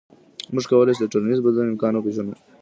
موږ کولی شو د ټولنیز بدلون امکان وپېژنو.